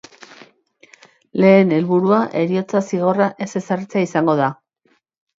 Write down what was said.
Lehen helburua, heriotza zigorra ez ezartzea izango da.